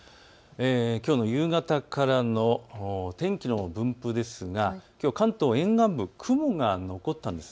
きょうの夕方からの天気の分布ですが、きょう関東沿岸部、雲が残ったんです。